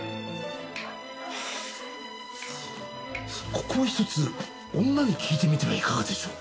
ここはひとつ女に聞いてみてはいかがでしょう？